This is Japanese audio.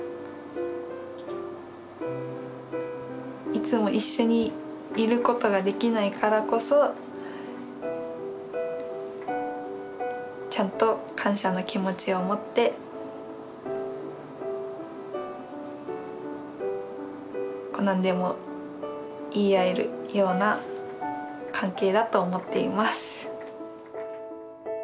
いつも一緒にいることができないからこそちゃんと感謝の気持ちを持って何でも言い合えるような関係だと思っています。